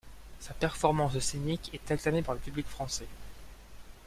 Sa performance scénique est acclamée par le public français.